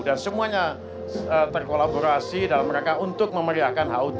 dan semuanya terkolaborasi dalam mereka untuk memeriahkan hut tujuh puluh empat